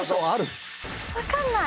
分かんない。